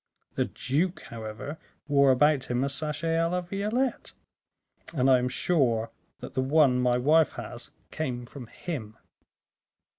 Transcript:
The duke, however, wore about him a sachet a la violette, and I am sure that the one my wife has came from him."